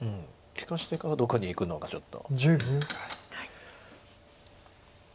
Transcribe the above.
利かしてからどこにいくのかちょっと。